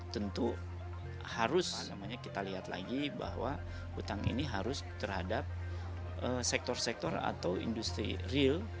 tentu harus namanya kita lihat lagi bahwa utang ini harus terhadap sektor sektor atau industri real